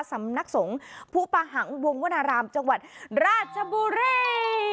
สำนักสงฆ์ภูปะหังวงวนารามจังหวัดราชบุรี